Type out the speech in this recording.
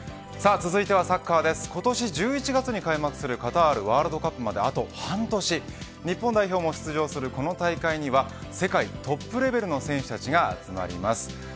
続いてはサッカーです今年１０月に開幕するカタールワールドカップまであと半年日本代表も出場するこの大会には世界トップレベルの選手たちが集まります。